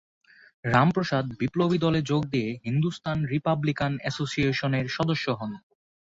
রামপ্রসাদ বিপ্লবী দলে যোগ দিয়ে হিন্দুস্তান রিপাবলিকান এসোসিয়েশনের সদস্য হন।